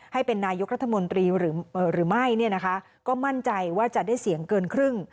ให้เป็นนายกรัฐมนตรีหรือไม่เนี่ยนะคะก็มั่นใจว่าจะได้เสียงเกินครึ่ง